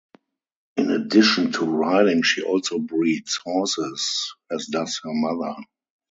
In addition to riding she also breeds horses, as does her mother.